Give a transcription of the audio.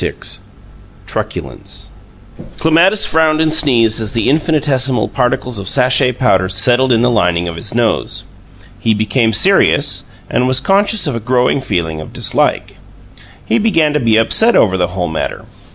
VI TRUCULENCE Clematis frowned and sneezed as the infinitesimal particles of sachet powder settled in the lining of his nose. He became serious, and was conscious of a growing feeling of dislike; he began to be upset over the whole matter.